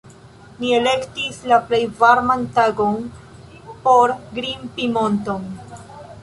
Ni elektis la plej varman tagon por grimpi monton